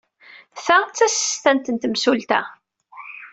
Ta d tasestant n temsulta.